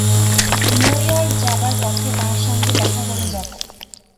New York যাবার পথে তার সঙ্গে দেখা করে যাব।